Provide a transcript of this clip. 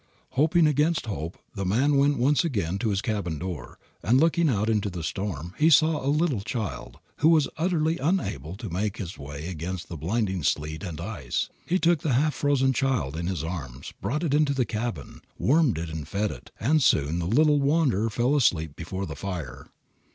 Hoping against hope, the man went once again to his cabin door, and looking out into the storm he saw a little child, who was utterly unable to make its way against the blinding sleet and ice. He took the half frozen child in his arms, brought it into the cabin, warmed and fed it, and soon the little wanderer fell asleep before the fire.